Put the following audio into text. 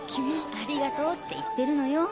ありがとうって言ってるのよ。